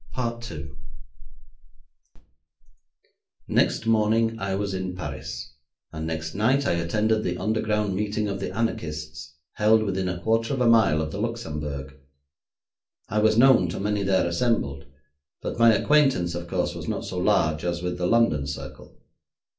Next morning I was in Paris, and next night I attended the underground meeting of the anarchists, held within a quarter of a mile of the Luxembourg. I was known to many there assembled, but my acquaintance of course was not so large as with the London circle.